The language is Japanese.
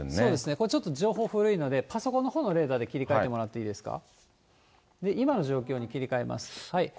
これちょっと情報古いので、パソコンのほうのレーダーに切り替えてもらっていいですか。